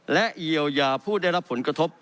และเยียวยาผู้ได้รับผลกระทบ